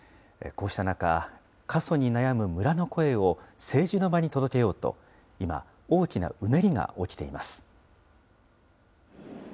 こうした中、過疎に悩む村の声を政治の場に届けようと、今、大きなうねりが起きています。